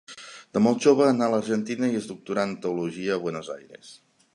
De molt jove anà a l'Argentina i es doctorà en teologia a Buenos Aires.